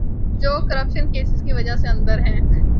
جو corruption cases کی وجہ سے اندر ہیں۔